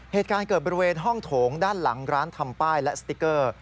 เหตุการณ์เกิดบริเวณห้องโถงด้านหลังร้านทำป้ายและสติ๊กเกอร์